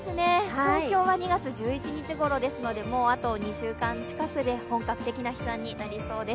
東京は２月１１日ごろですので、あと２週間ほどで本格的な飛散になりそうです。